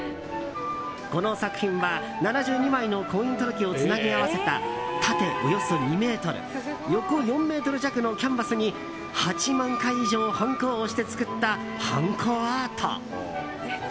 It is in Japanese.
この作品は７２枚の婚姻届をつなぎ合わせた縦およそ２ｍ、横４ｍ弱のキャンバスに８万回以上ハンコを押して作ったハンコアート。